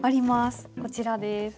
こちらです。